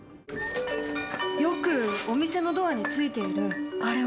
よくお店のドアについているあれは？